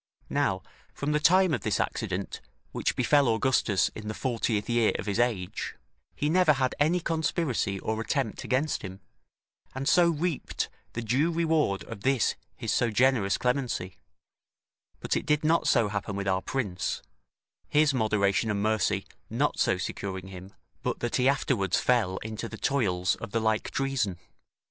Now, from the time of this accident which befell Augustus in the fortieth year of his age, he never had any conspiracy or attempt against him, and so reaped the due reward of this his so generous clemency. But it did not so happen with our prince, his moderation and mercy not so securing him, but that he afterwards fell into the toils of the like treason, [The Duc de Guise was assassinated in 1563 by Poltrot.